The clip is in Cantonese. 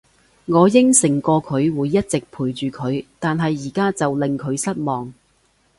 我應承過佢會一直陪住佢，但係而家就令佢失望